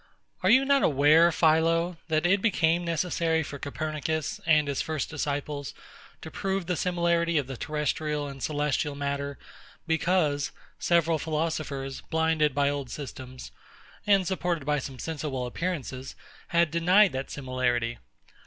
Are you not aware, PHILO, that it became necessary for Copernicus and his first disciples to prove the similarity of the terrestrial and celestial matter; because several philosophers, blinded by old systems, and supported by some sensible appearances, had denied this similarity?